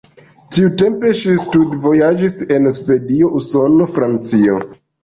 Tiutempe ŝi studvojaĝis en Svedio, Usono, Francio.